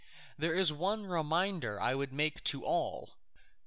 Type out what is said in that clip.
There is one reminder I would make to all.